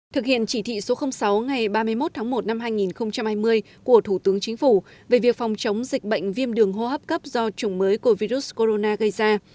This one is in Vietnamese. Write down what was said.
thực hiện chỉ thị số sáu ngày ba mươi một tháng một năm hai nghìn hai mươi của thủ tướng chính phủ về việc phòng chống dịch bệnh viêm đường hô hấp cấp do chủng mới của virus corona gây ra